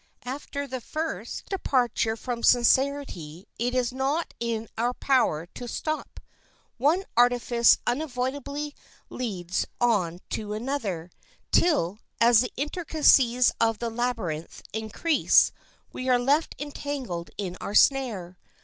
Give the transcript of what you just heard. After the first departure from sincerity, it is not in our power to stop. One artifice unavoidably leads on to another, till, as the intricacies of the labyrinth increase, we are left entangled in our snare.